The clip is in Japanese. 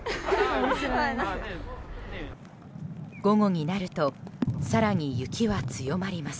午後になると更に雪は強まります。